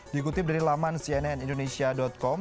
dikutip dari laman cnnindonesia com